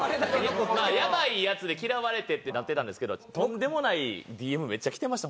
まあやばいヤツで嫌われてってなってたんですけどとんでもないＤＭめっちゃきてましたホンマに。